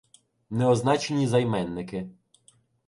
Неозначені займенники